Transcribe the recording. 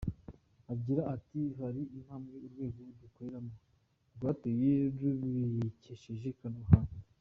Agira ati “Hari intambwe urwego dukoreramo rwateye rubikesheje ikoranabuhanga.